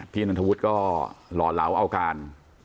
นันทวุฒิก็หล่อเหลาเอาการ